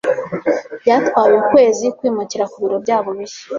Byabatwaye ukwezi kwimukira ku biro byabo bishya.